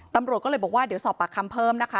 ตำรวจก็เลยบอกว่าเดี๋ยวสอบปากคำเพิ่มนะคะ